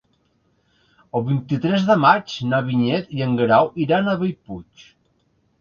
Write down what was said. El vint-i-tres de maig na Vinyet i en Guerau iran a Bellpuig.